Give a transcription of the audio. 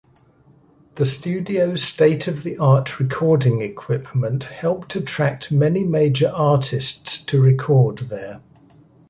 The studio's state-of-the-art recording equipment helped attract many major artists to record there.